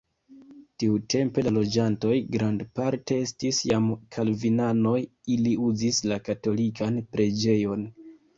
Tiutempe la loĝantoj grandparte estis jam kalvinanoj, ili uzis la katolikan preĝejon.